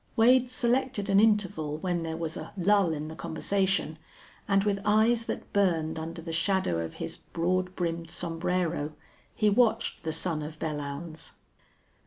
Wade selected an interval when there was a lull in the conversation, and with eyes that burned under the shadow of his broad brimmed sombrero he watched the son of Belllounds.